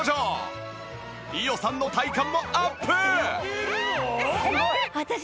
伊代さんの体幹もアップ！